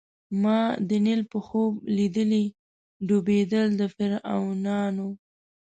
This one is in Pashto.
ما د نیل په خوب لیدلي ډوبېدل د فرعونانو